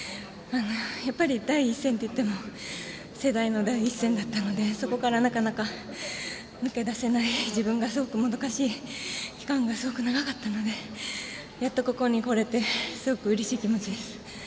やっぱり、第一線といっても世代の第一線だったのでそこから、なかなか抜け出せない自分がすごくもどかしい期間がすごく長かったのでやっとここにこれてすごくうれしい気持ちです。